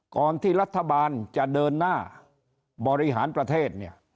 ก่อนที่รัฐบาลจะเดินหน้าบริหารประเทศเนี่ย